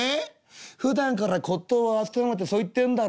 ふだんから骨董扱うなってそう言ってんだろ。